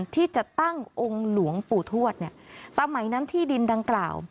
ที่จะตั้งองค์หลวงปู่ทวดเนี่ยสมัยนั้นที่ดินดังกล่าว